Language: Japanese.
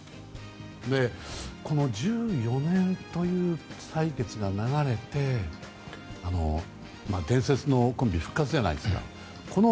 この１４年という歳月が流れて伝説のコンビ復活じゃないですか。